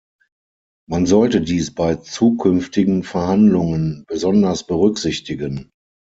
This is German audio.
Man sollte dies bei zukünftigen Verhandlungen besonders berücksichtigen.